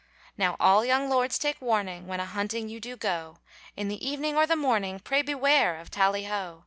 Now all young lords take warning, "When a hunting you do go, In the evening or the morning Pray beware of "Tally ho!"